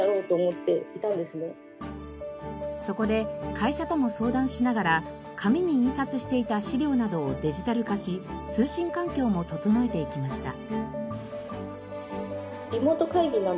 そこで会社とも相談しながら紙に印刷していた資料などをデジタル化し通信環境も整えていきました。